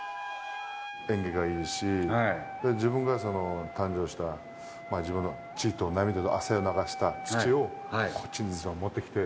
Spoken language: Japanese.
縁起がいいし、自分が誕生した、自分の血と涙と汗を流した土を、こっちに持ってきて。